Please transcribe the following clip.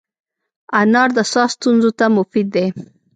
انار د ساه ستونزو ته مفید دی.